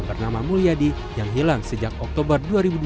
bernama mulyadi yang hilang sejak oktober dua ribu dua puluh